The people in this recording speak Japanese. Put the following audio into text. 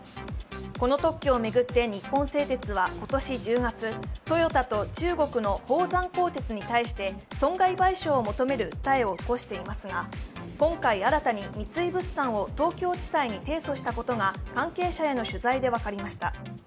この特許を巡って日本製鉄は今年１０月、トヨタと中国の宝山鋼鉄に対して損害賠償を求める訴えを起こしていますが今回、新たに三井物産を東京地裁に提訴したことが関係者への取材で分かりました。